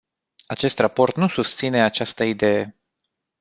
Acest raport nu susține această idee.